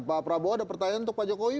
pak prabowo ada pertanyaan untuk pak jokowi